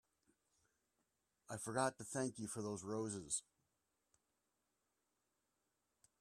I forgot to thank you for those roses.